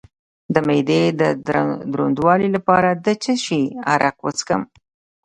د معدې د دروندوالي لپاره د څه شي عرق وڅښم؟